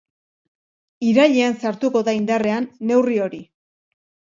Irailean sartuko da indarrean neurri hori.